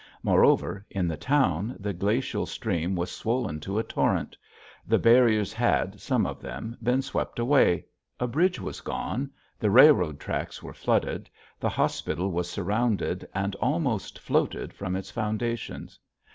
Moreover, in the town the glacial stream was swollen to a torrent; the barriers had, some of them, been swept away; a bridge was gone, the railroad tracks were flooded, the hospital was surrounded and almost floated from its foundations.